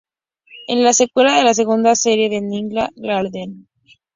Es la secuela de la segunda serie de Ninja Gaiden.